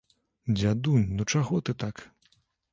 Дзядунь, ну чаго ты так?